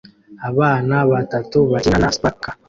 Abana batatu bakina na sparkler